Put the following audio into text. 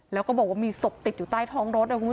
แล้วก็บอกว่ามีศพติดอยู่ใต้ท้องรถ